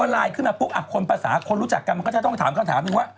วันไลน์คือมาปุ๊บอับคนภาษาคนรู้จักกันก็จะต้องถามเป็นว่า